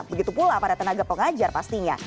begitu pula para tenaga pengajar pastinya